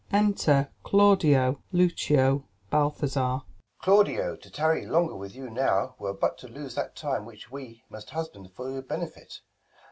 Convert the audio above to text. Enter Claudio, Lucio, Balthazar. Balt. Claudio, to tarry longer with you now Were but to lose that time which we Must husband for your benefit.